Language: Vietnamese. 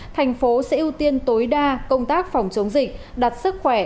thành phố sẽ ưu tiên tối đa công tác phòng chống dịch đặt sức khỏe